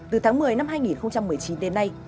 từ tháng một mươi năm hai nghìn một mươi chín đến nay